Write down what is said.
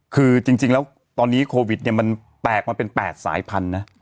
คือจริงแล้วตอนนี้โควิดเนี่ยมันแตกมาเป็น๘สายพันธุ์นะ